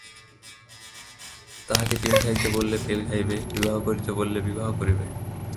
তাহাকে পিল খাইতে বল পিল খাইবে, বিবাহ করিতে বল বিবাহ করিবে।